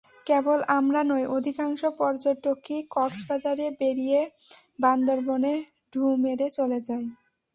কেবল আমরা নই, অধিকাংশ পর্যটকই কক্সবাজারে বেড়িয়ে বান্দরবানে ঢুঁ মেরে চলে যায়।